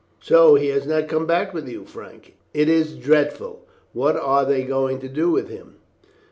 "So he has not come back with you, Frank. It is dreadful. What are they going to do with him?"